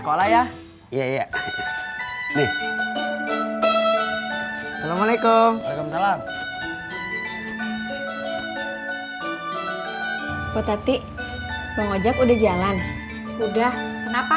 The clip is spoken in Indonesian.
udah emang gak apa apa